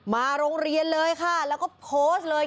มาโรงเรียนเลยค่ะแล้วก็โพสต์เลย